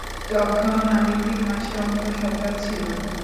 যখন আমি তিন মাসের অন্তঃসত্ত্বা ছিলাম।